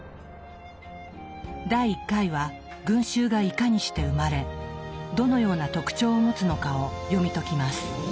第１回は群衆がいかにして生まれどのような特徴を持つのかを読み解きます。